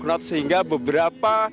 sepuluh knot sehingga beberapa